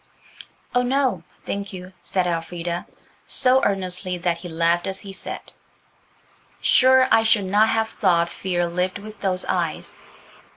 "Oh, no, thank you," said Elfrida, so earnestly that he laughed as he said– "Sure I should not have thought fear lived with those eyes."